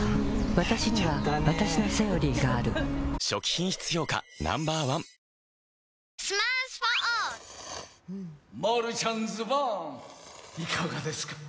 わたしにはわたしの「セオリー」がある初期品質評価Ｎｏ．１きましたね